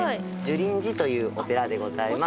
樹林寺というお寺でございます。